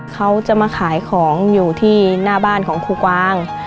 เขาจะมาขายของอยู่ที่หน้าบ้านของครูกวาง